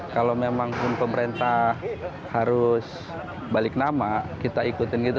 kalau memang pun pemerintah harus balik nama kita ikutin gitu